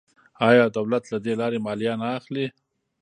آیا دولت له دې لارې مالیه نه اخلي؟